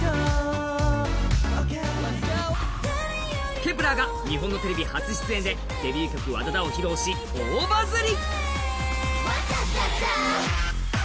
Ｋｅｐ１ｅｒが日本の歌番組初出演でデビュー曲、「ＷＡＤＡＤＡ」を披露し、大バズり。